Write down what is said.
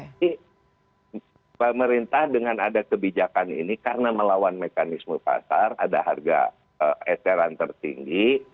pemerintah dengan ada kebijakan ini karena melawan mekanisme pasar ada harga eceran tertinggi